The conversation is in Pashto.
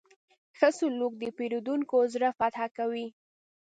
ښه سلوک د پیرودونکي زړه فتح کوي.